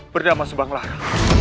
bernama subang lara